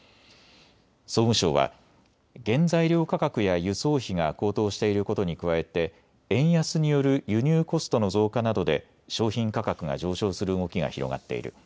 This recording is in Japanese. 総務省は原材料価格や輸送費が高騰していることに加えて円安による輸入コストの増加などで商品価格が上昇する動きが広がっている。